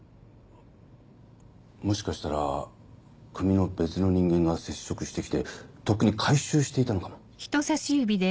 もしかしたら組の別の人間が接触して来てとっくに回収していたのかも。